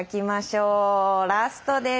ラストです。